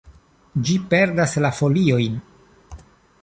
Ĝi perdas la foliojn.